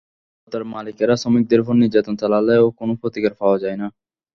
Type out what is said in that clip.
ইমারতের মালিকেরা শ্রমিকদের ওপর নির্যাতন চালালেও কোনো প্রতিকার পাওয়া যায় না।